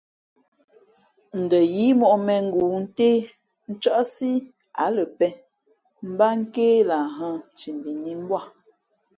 Ndα yíí mōʼ mēngoo ntě, ncάʼsǐ á lα pēn mbát nké lahhᾱ nthimbi nǐ mbū â.